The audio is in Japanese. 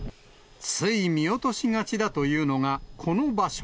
つい見落としがちだというのがこの場所。